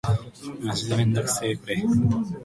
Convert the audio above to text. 青い空、綺麗な湖